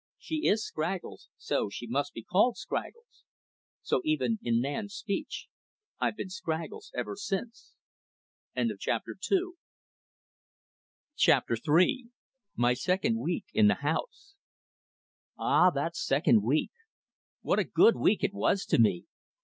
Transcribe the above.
She is Scraggles, so she must be called Scraggles." So, even in man's speech, I've been Scraggles ever since. Chapter III My Second Week in the House Ah, that second week! What a good week it was to me!